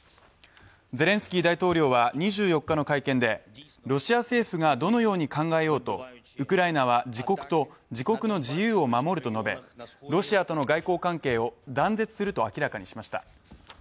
ゼレンスキー大統領は２４日の会見でロシア政府がどのように考えようとウクライナは自国と自国の自由を守ると述べロシアとの外交関係を断絶すると明らかにしました。